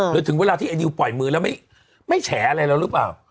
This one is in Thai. ถึงเวลาที่ไอดิวปล่อยมือแล้วไม่แฉอะไรแล้วหรือเปล่า